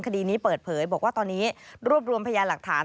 คดีนี้เปิดเผยบอกว่าตอนนี้รวบรวมพยานหลักฐาน